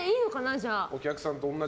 じゃあ。